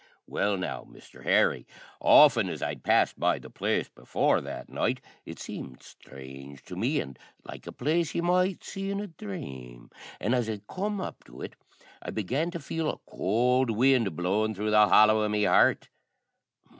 Well, now, Misther Harry, often as I'd passed by the place before, that night it seemed sthrange to me, an' like a place ye might see in a dhrame; an' as I come up to it I began to feel a could wind blowin' through the hollow o' me heart.